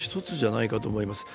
今回、その一つじゃないかと思います。